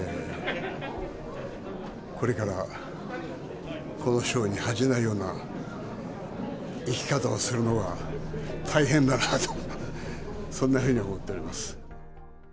これからこの賞に恥じないような生き方をするのは大変だなと、そんなふうに思っております。